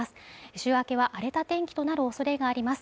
週明けは荒れた天気となるおそれがあります